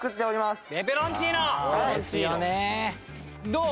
どう？